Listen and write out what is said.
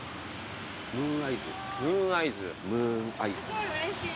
すごいうれしい。